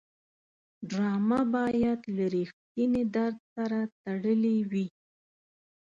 ډرامه باید له رښتینې درد سره تړلې وي